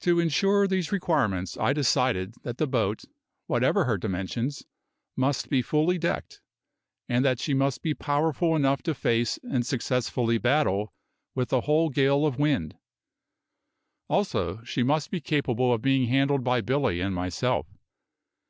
To insure these requirements I decided that the boat, whatever her dimensions, must be fully decked, and that she must be powerful enough to face and successfully battle with a whole gale of wind; also she must be capable of being handled by Billy and myself.